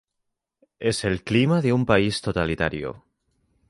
Es el clima de un país totalitario.